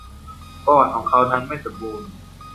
ประวัติของเขานั้นไม่สมบูรณ์